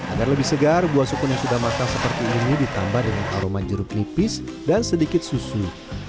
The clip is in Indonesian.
agar lebih segar buah sukun yang sudah matang seperti ini ditambah dengan aroma jeruk nipis dan sedikit susu